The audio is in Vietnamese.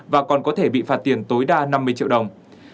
và còn có thể bị phạt tiền tối đa một mươi năm triệu đồng